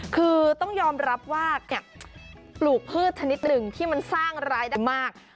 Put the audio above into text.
คือต้องยอมรับว่าปลูกพืชชนิดหนึ่งที่มันสร้างรายได้มาก